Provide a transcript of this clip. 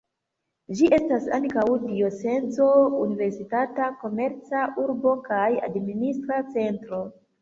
Ĝi estas ankaŭ diocezo, universitata, komerca urbo kaj administra centro.